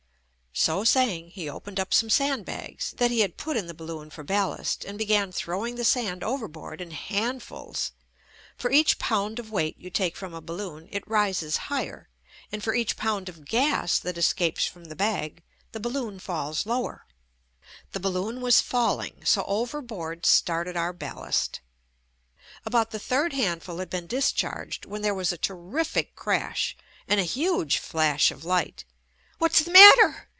So saying, he opened up some sand bags, that he had put in the balloon for ballast, and began throwing the sand overboard in hand fuls. For each pound of weight you take from a balloon, it rises higher, and for each pound of gas that escapes from the bag, the balloon falls lower. The balloon was falling, so overboard started our ballast. About the third handful had been discharged, when there was a terrific crash and a huge flash of light. "What's the matter?"